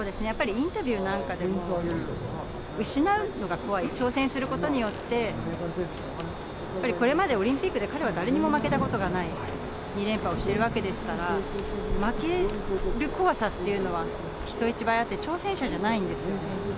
やっぱりインタビューなんかでも、失うのが怖い、挑戦することによって、やっぱりこれまでオリンピックで彼は誰にも負けたことがない、２連覇をしているわけですから、負ける怖さっていうのは人一倍あって、挑戦者じゃないんですよね。